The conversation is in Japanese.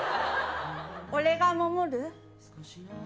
俺が守る？